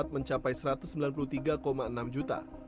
mencapai satu ratus sembilan puluh tiga enam juta